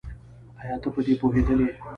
ايا ته په دې پوهېدلې؟